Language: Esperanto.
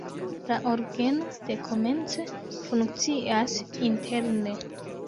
La orgeno dekomence funkcias interne.